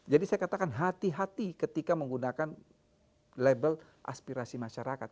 jadi saya katakan hati hati ketika menggunakan label aspirasi masyarakat